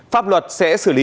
pháp luật sẽ xử lý